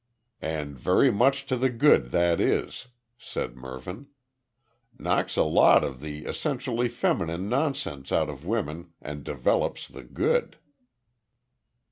"And very much to the good that is," said Mervyn. "Knocks a lot of the essentially feminine nonsense out of women and develops the good."